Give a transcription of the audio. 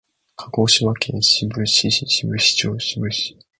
鹿児島県志布志市志布志町志布志